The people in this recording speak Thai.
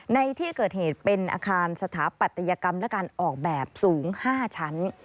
ในที่เกิดเหตุเป็นอาคารสถาปัตยกรรมและการออกแบบสูง๕ชั้น